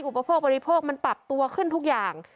อุปโภคบริโภคมันปรับตัวขึ้นทุกอย่าง